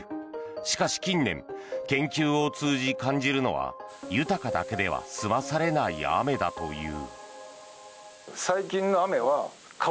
しかし近年研究を通じ、感じるのは豊かだけでは済まされない雨だという。